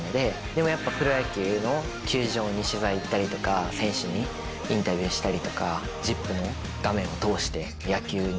でもやっぱプロ野球の球場に取材行ったりとか選手にインタビューしたりとか。